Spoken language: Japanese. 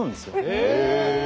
へえ。